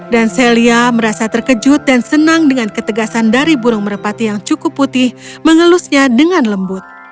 dan celia merasa terkejut dan senang dengan ketegasan dari burung merepati yang cukup putih mengelusnya dengan lembut